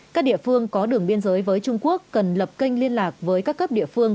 các địa phương có đường biên giới với trung quốc cần lập kênh liên lạc với các cấp địa phương